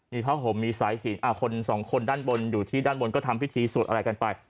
นี่เพราะผมมีไสสี่อ่ะคนสองคนด้านบนอยู่ที่ด้านบนก็ทำพิธีสวดอะไรกันไป